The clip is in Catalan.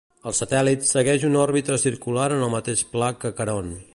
El satèl·lit segueix una òrbita circular en el mateix pla que Caront.